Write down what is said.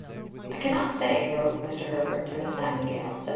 "I cannot say," wrote Mr. Herbert to Miss Nightingale (Sept.